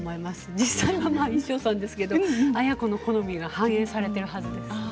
実際は衣装さんですけれど亜哉子さんの好みが反映されているはずです。